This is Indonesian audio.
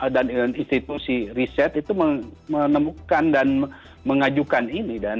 dan institusi riset itu menemukan dan mengajukan ini